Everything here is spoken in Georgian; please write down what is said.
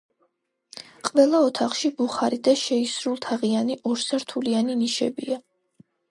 ყველა ოთახში ბუხარი და შეისრულთაღიანი ორსართულიანი ნიშებია.